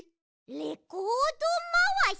レコードまわし？